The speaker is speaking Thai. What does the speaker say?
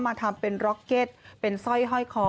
ทำเป็นร็อกเก็ตเป็นสร้อยห้อยคอ